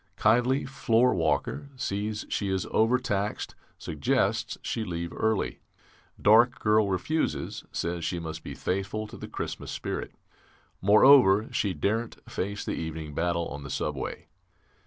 Kindly floorwalker, sees she is overtaxed, suggests she leave early. Dark girl refuses; says she must be faithful to the Christmas spirit; moreover, she daren't face the evening battle on the subway.